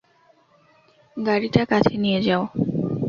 গাড়িটার কাছে নিয়ে যাও!